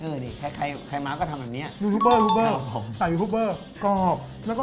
เออดิใครใครมากก็ทำแบบเนี้ยครับผมใส่ครอบแล้วก็